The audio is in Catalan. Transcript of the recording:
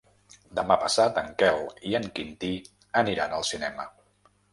Demà passat en Quel i en Quintí aniran al cinema.